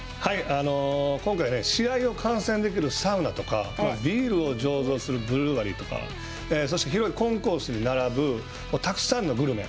今回、試合を観戦できるサウナとか、ビールを醸造するブルワリーとか、そして広いコンコースに並ぶたくさんのグルメ。